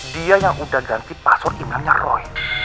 dia yang udah ganti password imamnya roy